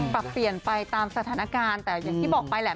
ปรับเปลี่ยนไปตามสถานการณ์แต่อย่างที่บอกไปแหละ